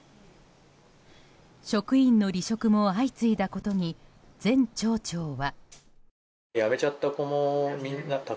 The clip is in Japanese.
職員の離職も相次いだことに前町長は。